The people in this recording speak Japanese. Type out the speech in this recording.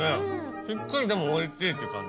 しっかりでもおいしいって感じ。